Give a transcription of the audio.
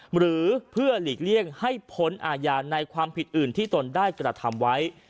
หรือเพื่อหลีกเลี่ยงให้พ้นอาญาในความผิดอื่นที่ตนได้กระทำไว้